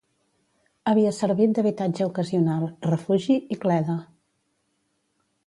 Havia servit d'habitatge ocasional, refugi i cleda.